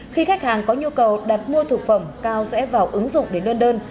khi khách hàng có nhu cầu đặt mua thực phẩm cao sẽ vào ứng dụng để lươn đơn